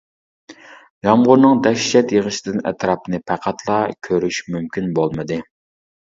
يامغۇرنىڭ دەھشەت يېغىشىدىن ئەتراپنى پەقەتلا كۆرۈش مۇمكىن بولمىدى.